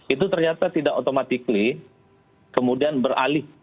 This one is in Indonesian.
itu ternyata tidak otomatis kemudian beralih